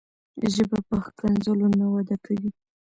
ژبه په ښکنځلو نه وده کوي.